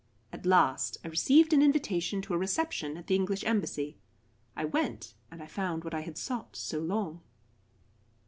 At last I received an invitation to a reception at the English Embassy. I went, and I found what I had sought so long.